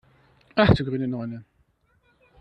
Ach du grüne Neune!